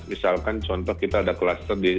misalkan contoh kita ada kluster di jawa barat